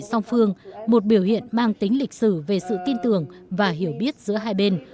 song phương một biểu hiện mang tính lịch sử về sự tin tưởng và hiểu biết giữa hai bên